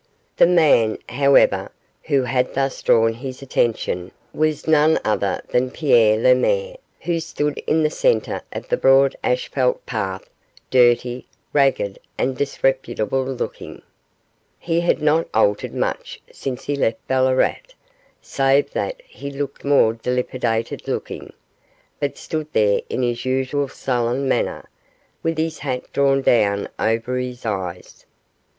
The man, however, who had thus drawn his attention was none other than Pierre Lemaire, who stood in the centre of the broad asphalt path, dirty, ragged and disreputable looking. He had not altered much since he left Ballarat, save that he looked more dilapidated looking, but stood there in his usual sullen manner, with his hat drawn down over his eyes.